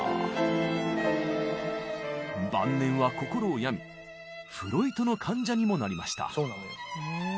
晩年は心を病みフロイトの患者にもなりました。